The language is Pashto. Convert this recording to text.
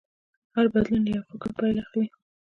هر بدلون له یو فکر پیل اخلي.